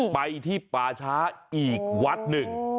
ไปที่ป่าช้าอีกวัดหนึ่ง